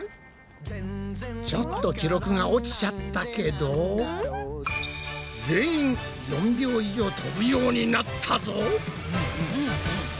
ちょっと記録が落ちちゃったけど全員４秒以上飛ぶようになったぞ！